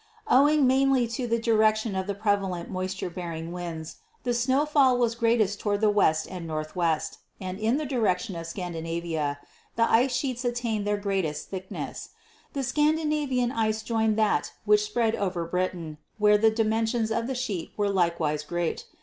"Owing mainly to the direction of the prevalent mois ture bearing winds, the snowfall was greatest toward the west and northwest, and in the direction of Scandinavia the ice sheets attained their greatest thickness. The Scan dinavian ice joined that which spread over Britain, where the dimensions of the sheet were likewise great.